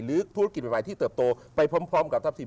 ธุรกิจใหม่ที่เติบโตไปพร้อมกับทัพสิน